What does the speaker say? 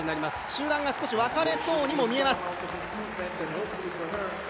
集団が少し分かれそうにも見えます。